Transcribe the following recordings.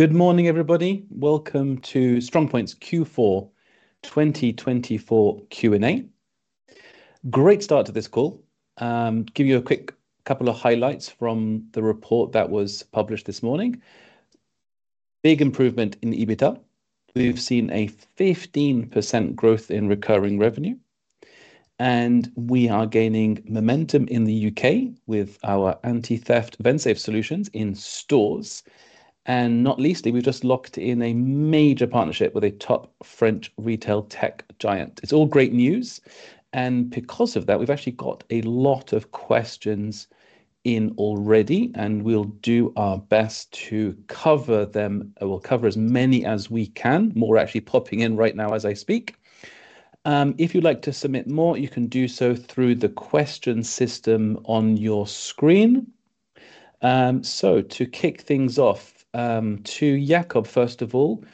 Good morning, everybody. Welcome to StrongPoint's Q4 2024 Q&A. Great start to this call. Give you a quick couple of highlights from the report that was published this morning. Big improvement in EBITDA. We've seen a 15% growth in recurring revenue, and we are gaining momentum in the U.K. with our anti-theft Vensafe solutions in stores. Not leastly, we've just locked in a major partnership with a top French retail tech giant. It's all great news. Because of that, we've actually got a lot of questions in already, and we'll do our best to cover them. We'll cover as many as we can. More are actually popping in right now as I speak. If you'd like to submit more, you can do so through the question system on your screen. To kick things off, to Jacob, first of all,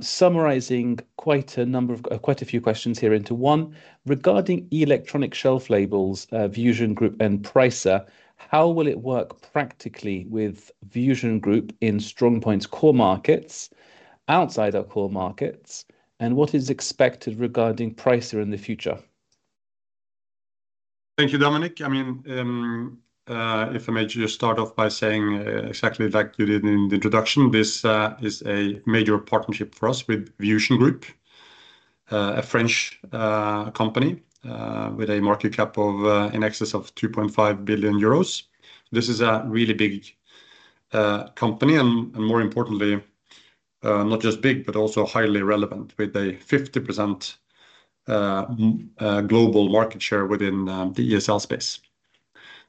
summarizing quite a number of quite a few questions here into one. Regarding electronic shelf labels, VusionGroup and Pricer, how will it work practically with VusionGroup in StrongPoint's core markets, outside our core markets, and what is expected regarding Pricer in the future? Thank you, Dominic. I mean, if I may just start off by saying exactly like you did in the introduction, this is a major partnership for us with VusionGroup, a French company with a market cap in excess of 2.5 billion euros. This is a really big company, and more importantly, not just big, but also highly relevant with a 50% global market share within the ESL space.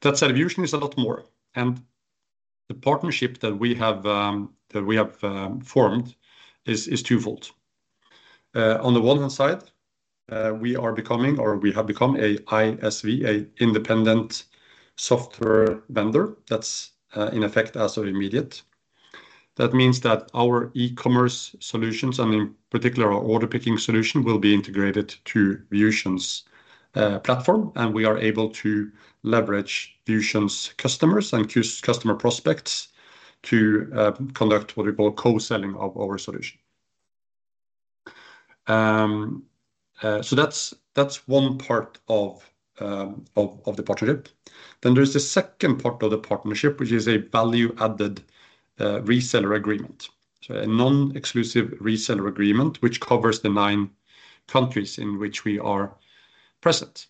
That said, VusionGroup is a lot more. The partnership that we have formed is twofold. On the one hand side, we are becoming, or we have become, an ISV, an independent software vendor. That is in effect as of immediate. That means that our e-commerce solutions, and in particular our order picking solution, will be integrated to VusionGroup's platform, and we are able to leverage VusionGroup's customers and customer prospects to conduct what we call co-selling of our solution. That is one part of the partnership. There is the second part of the partnership, which is a value-added reseller agreement, a non-exclusive reseller agreement which covers the nine countries in which we are present.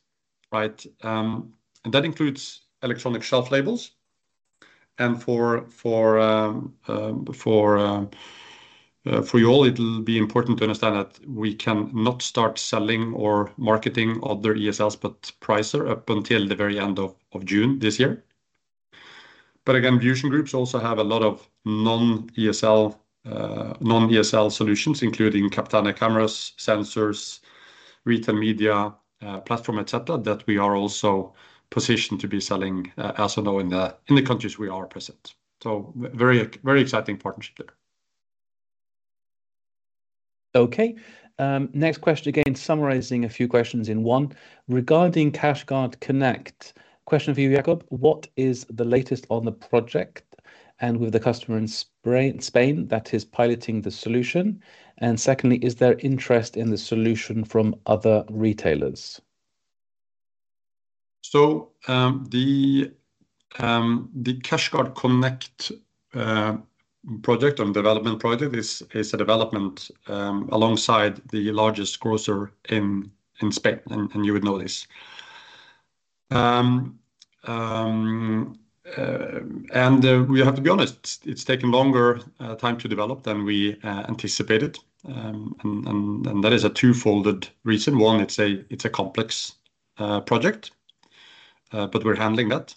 That includes electronic shelf labels. For you all, it will be important to understand that we cannot start selling or marketing other ESLs but Pricer up until the very end of June this year. VusionGroup also has a lot of non-ESL solutions, including Captana cameras, sensors, retail media platform, etc., that we are also positioned to be selling as of now in the countries we are present. Very exciting partnership there. Okay. Next question, again, summarizing a few questions in one. Regarding CashGuard Connect, question for you, Jacob. What is the latest on the project and with the customer in Spain that is piloting the solution? Secondly, is there interest in the solution from other retailers? The CashGuard Connect project or development project is a development alongside the largest grocer in Spain, and you would know this. We have to be honest, it's taken longer time to develop than we anticipated. That is a twofold reason. One, it's a complex project, but we're handling that.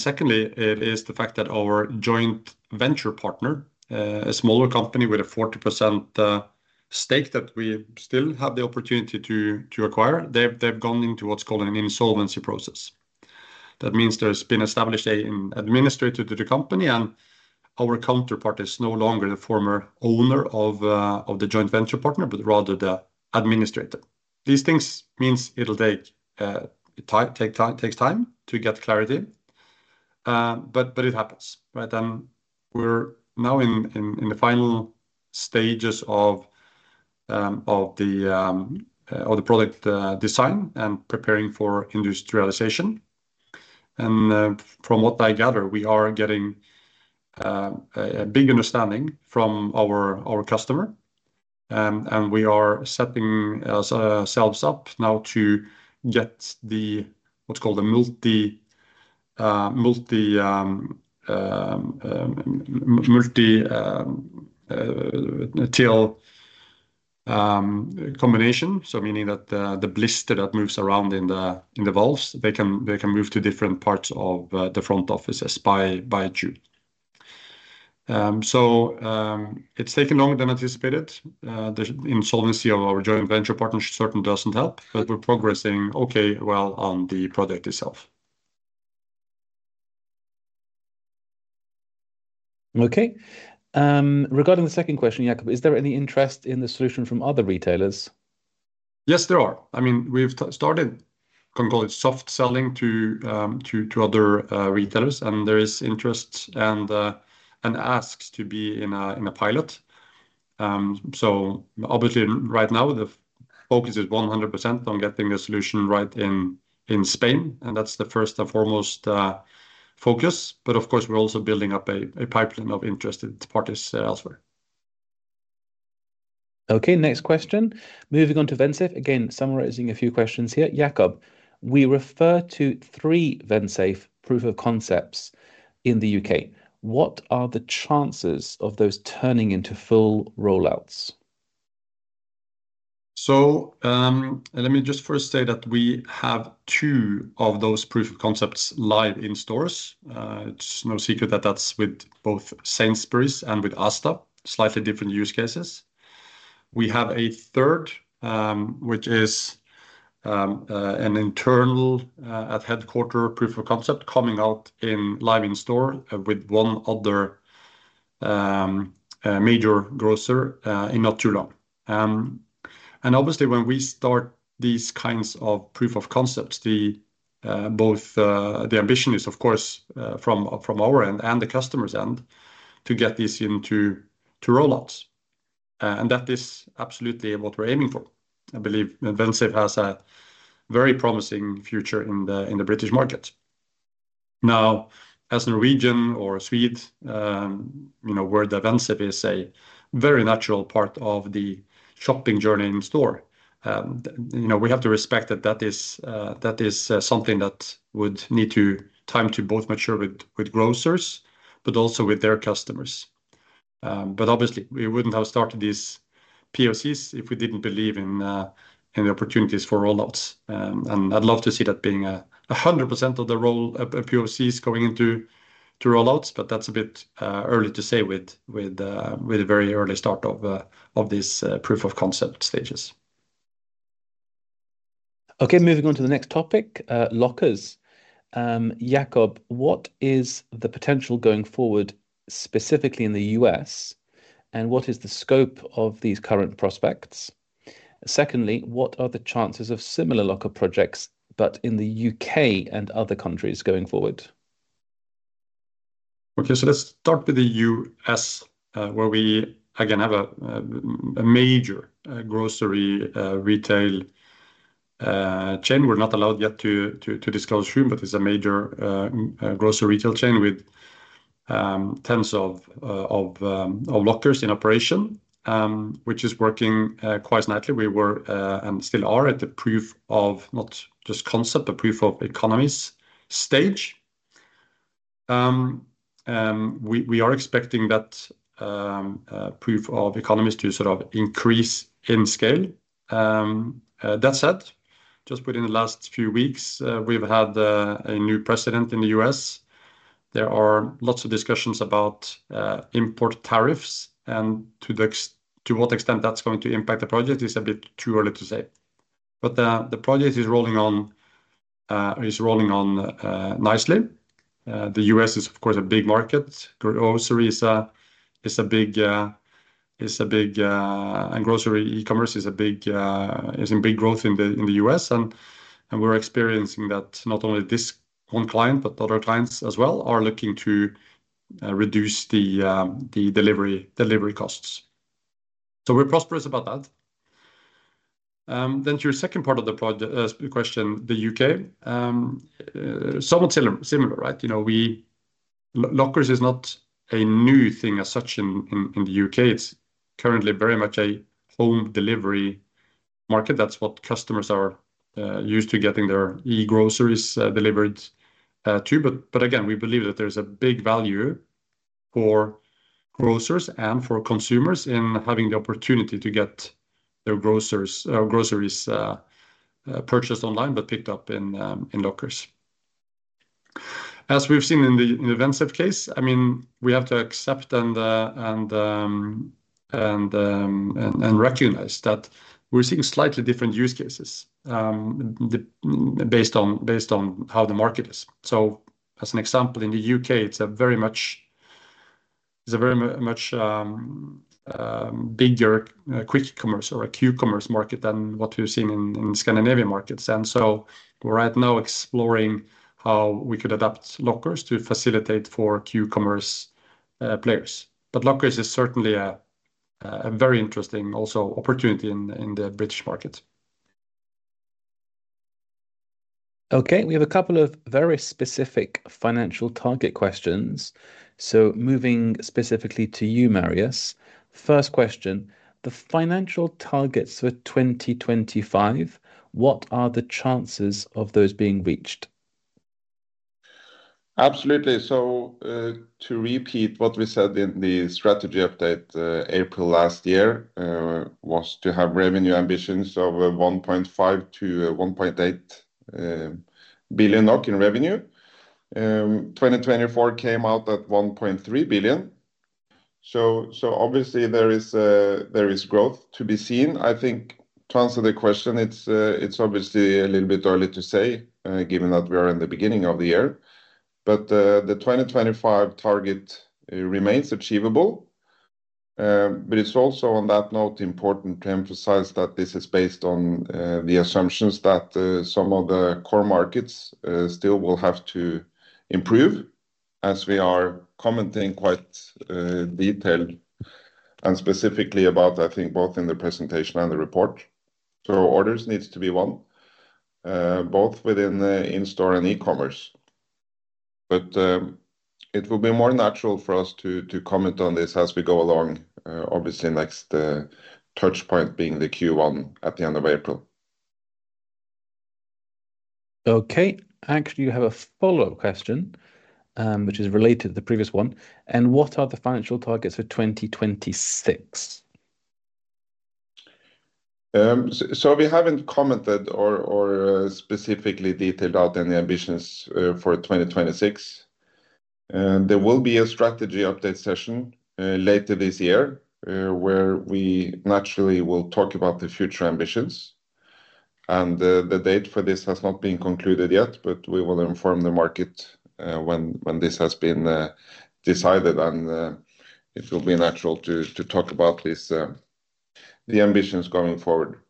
Secondly, it is the fact that our joint venture partner, a smaller company with a 40% stake that we still have the opportunity to acquire, they've gone into what's called an insolvency process. That means there's been established an administrator to the company, and our counterpart is no longer the former owner of the joint venture partner, but rather the administrator. These things mean it'll take time to get clarity, but it happens. We're now in the final stages of the product design and preparing for industrialization. From what I gather, we are getting a big understanding from our customer, and we are setting ourselves up now to get what's called a multi-till combination, meaning that the bills that moves around in the vaults, they can move to different parts of the front office by June. It has taken longer than anticipated. The insolvency of our joint venture partnership certainly does not help, but we are progressing okay, well, on the product itself. Okay. Regarding the second question, Jacob, is there any interest in the solution from other retailers? Yes, there are. I mean, we've started, I can call it soft selling to other retailers, and there is interest and asks to be in a pilot. Obviously, right now, the focus is 100% on getting the solution right in Spain, and that's the first and foremost focus. Of course, we're also building up a pipeline of interested parties elsewhere. Okay, next question. Moving on to Vensafe. Again, summarizing a few questions here. Jacob, we refer to three Vensafe proof of concepts in the U.K. What are the chances of those turning into full rollouts? Let me just first say that we have two of those proof of concepts live in stores. It's no secret that that's with both Sainsbury's and with Asda, slightly different use cases. We have a third, which is an internal headquarter proof of concept coming out live in store with one other major grocer in not too long. Obviously, when we start these kinds of proof of concepts, both the ambition is, of course, from our end and the customer's end to get these into rollouts. That is absolutely what we're aiming for. I believe Vensafe has a very promising future in the British market. Now, as a Norwegian or a Swede, where the Vensafe is a very natural part of the shopping journey in store, we have to respect that that is something that would need time to both mature with grocers, but also with their customers. Obviously, we wouldn't have started these POCs if we didn't believe in the opportunities for rollouts. I'd love to see that being 100% of the role of POCs going into rollouts, but that's a bit early to say with the very early start of these proof of concept stages. Okay, moving on to the next topic, lockers. Jacob, what is the potential going forward specifically in the US, and what is the scope of these current prospects? Secondly, what are the chances of similar locker projects, but in the UK and other countries going forward? Okay, so let's start with the US, where we, again, have a major grocery retail chain. We're not allowed yet to disclose whom, but it's a major grocery retail chain with tens of lockers in operation, which is working quite nicely. We were and still are at the proof of not just concept, but proof of economics stage. We are expecting that proof of economics to sort of increase in scale. That said, just within the last few weeks, we've had a new President in the US. There are lots of discussions about import tariffs, and to what extent that's going to impact the project is a bit too early to say. The project is rolling on nicely. The US is, of course, a big market. Grocery is a big and grocery e-commerce is in big growth in the US. We're experiencing that not only this one client, but other clients as well are looking to reduce the delivery costs. We're prosperous about that. To your second part of the question, the U.K., somewhat similar, right? Lockers is not a new thing as such in the U.K. It's currently very much a home delivery market. That's what customers are used to getting their e-groceries delivered to. Again, we believe that there's a big value for grocers and for consumers in having the opportunity to get their groceries purchased online, but picked up in lockers. As we've seen in the Vensafe case, I mean, we have to accept and recognize that we're seeing slightly different use cases based on how the market is. As an example, in the U.K., it is a very much bigger quick commerce or a Q-commerce market than what we have seen in Scandinavian markets. We are right now exploring how we could adapt lockers to facilitate for Q-commerce players. Lockers is certainly a very interesting also opportunity in the British market. Okay, we have a couple of very specific financial target questions. Moving specifically to you, Marius. First question, the financial targets for 2025, what are the chances of those being reached? Absolutely. To repeat what we said in the strategy update April last year was to have revenue ambitions of 1.5 billion-1.8 billion NOK in revenue. 2024 came out at 1.3 billion. Obviously, there is growth to be seen. I think to answer the question, it's obviously a little bit early to say given that we are in the beginning of the year. The 2025 target remains achievable. It is also on that note important to emphasize that this is based on the assumptions that some of the core markets still will have to improve as we are commenting quite detailed and specifically about, I think, both in the presentation and the report. Orders need to be won, both within in-store and e-commerce. It will be more natural for us to comment on this as we go along, obviously next touch point being the Q1 at the end of April. Okay. Actually, we have a follow-up question which is related to the previous one. What are the financial targets for 2026? We have not commented or specifically detailed out any ambitions for 2026. There will be a strategy update session later this year where we naturally will talk about the future ambitions. The date for this has not been concluded yet, but we will inform the market when this has been decided, and it will be natural to talk about the ambitions going forward.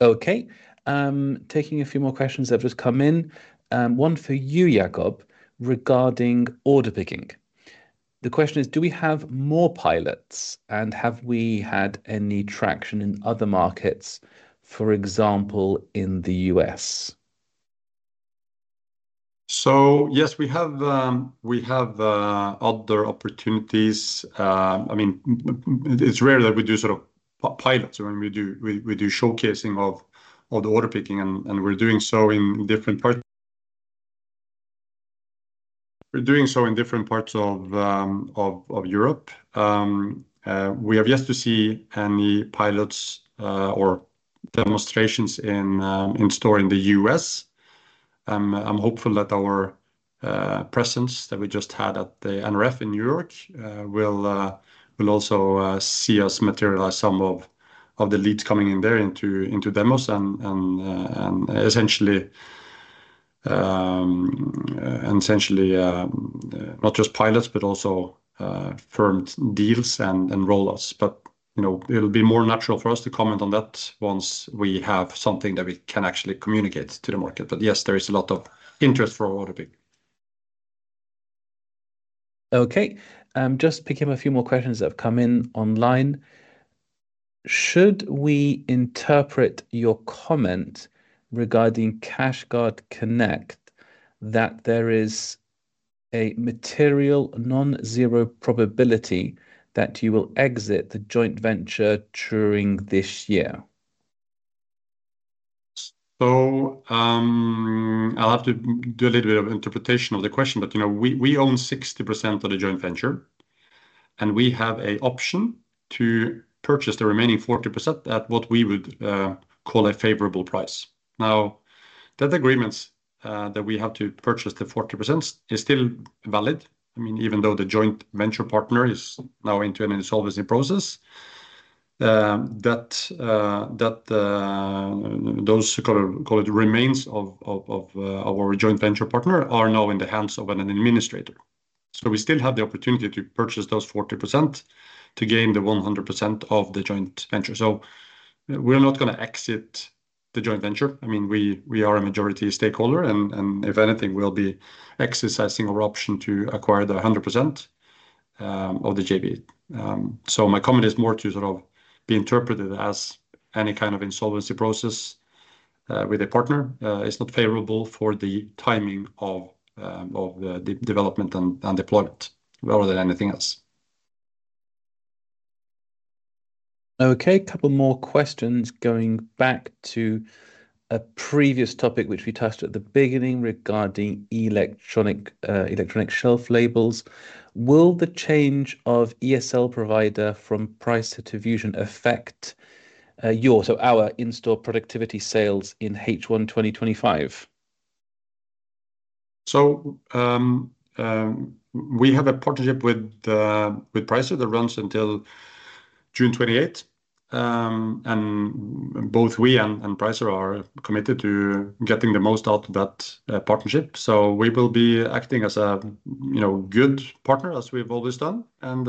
Okay. Taking a few more questions that have just come in. One for you, Jacob, regarding order picking. The question is, do we have more pilots and have we had any traction in other markets, for example, in the US? Yes, we have other opportunities. I mean, it's rare that we do sort of pilots. We do showcasing of the order picking, and we're doing so in different parts. We're doing so in different parts of Europe. We have yet to see any pilots or demonstrations in store in the U.S. I'm hopeful that our presence that we just had at the NRF in New York will also see us materialize some of the leads coming in there into demos and essentially not just pilots, but also firm deals and rollouts. It will be more natural for us to comment on that once we have something that we can actually communicate to the market. Yes, there is a lot of interest for order picking. Okay. Just picking up a few more questions that have come in online. Should we interpret your comment regarding CashGuard Connect that there is a material non-zero probability that you will exit the joint venture during this year? I'll have to do a little bit of interpretation of the question, but we own 60% of the joint venture, and we have an option to purchase the remaining 40% at what we would call a favorable price. Now, that agreement that we have to purchase the 40% is still valid. I mean, even though the joint venture partner is now into an insolvency process, those remains of our joint venture partner are now in the hands of an administrator. We still have the opportunity to purchase those 40% to gain the 100% of the joint venture. We're not going to exit the joint venture. I mean, we are a majority stakeholder, and if anything, we'll be exercising our option to acquire the 100% of the JV. My comment is more to sort of be interpreted as any kind of insolvency process with a partner. It's not favorable for the timing of the development and deployment rather than anything else. Okay. A couple more questions going back to a previous topic which we touched at the beginning regarding electronic shelf labels. Will the change of ESL provider from Pricer to Vusion affect your, so our in-store productivity sales in H1 2025? We have a partnership with Pricer that runs until June 28. Both we and Pricer are committed to getting the most out of that partnership. We will be acting as a good partner, as we've always done, and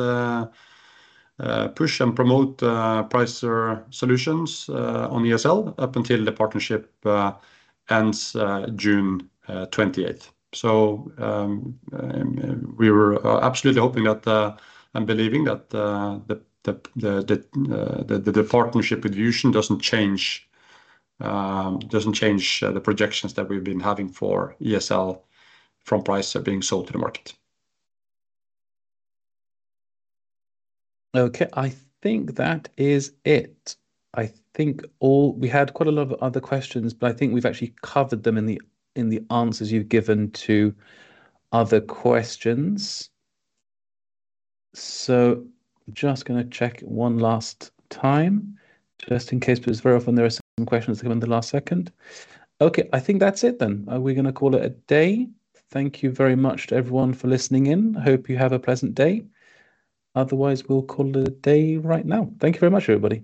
push and promote Pricer solutions on ESL up until the partnership ends June 28. We were absolutely hoping that and believing that the partnership with Vusion does not change the projections that we've been having for ESL from Pricer being sold to the market. Okay. I think that is it. I think we had quite a lot of other questions, but I think we've actually covered them in the answers you've given to other questions. I am just going to check one last time, just in case because very often there are some questions that come in the last second. Okay, I think that's it then. Are we going to call it a day? Thank you very much to everyone for listening in. I hope you have a pleasant day. Otherwise, we'll call it a day right now. Thank you very much, everybody.